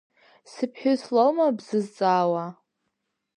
Сыԥҳәыс лоума бзызҵаауа?